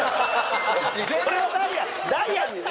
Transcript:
それはダイアンにね。